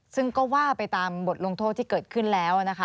ซึ่งก็ว่าไปตามบทลงโทษที่เกิดขึ้นแล้วนะคะ